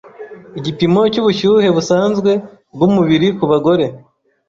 igipimo cy’ubushyuhe busanzwe bw’umubiri ku bagore